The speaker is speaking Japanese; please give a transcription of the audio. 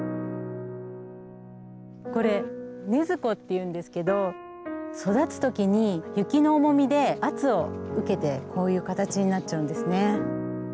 これネズコっていうんですけど育つ時に雪の重みで圧を受けてこういう形になっちゃうんですね。